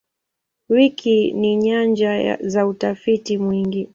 Wiki ni nyanja za utafiti mwingi.